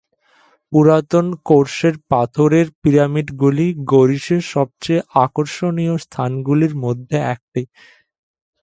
পুরাতন কোরসের পাথরের পিরামিডগুলি গোরিসের সবচেয়ে আকর্ষণীয় স্থানগুলির মধ্যে একটি।